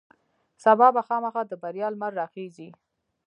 سبا به خامخا د بریا لمر راخیژي.